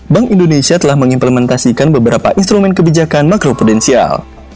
bank indonesia telah mengimplementasikan beberapa instrumen kebijakan makro prudensial